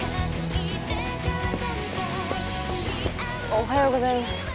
おはようございます